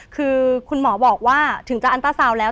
คือคุณหมอบอกว่าถึงจะอันต้าซาวน์แล้ว